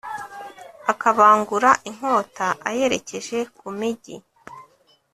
akabangura inkota ayerekeje ku migi!